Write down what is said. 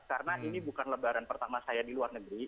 karena ini bukan lebaran pertama saya di luar negeri